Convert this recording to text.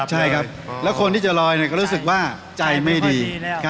ใช่ครับแล้วคนที่จะลอยก็รู้สึกว่าใจไม่ดี